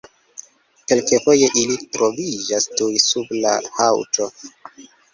Kelkfoje ili troviĝas tuj sub la haŭto.